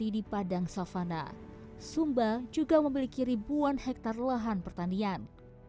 dulu malam pertama dan gigisan